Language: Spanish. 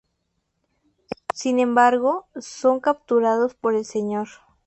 Sin embargo, son capturados por el Sr.